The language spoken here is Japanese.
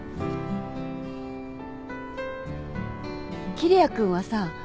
桐矢君はさ